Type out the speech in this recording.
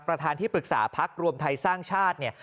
ประธานที่ปรึกษาพักรวมไทยสร้างชาติเนี่ย